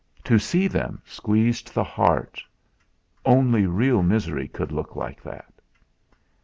To see them squeezed the heart only real misery could look like that.